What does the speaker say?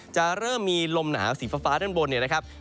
จะเริ่มมีลมหนาวสีฟ้าด้านบนเนี่ยนะครับ